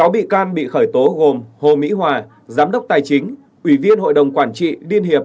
sáu bị can bị khởi tố gồm hồ mỹ hòa giám đốc tài chính ủy viên hội đồng quản trị liên hiệp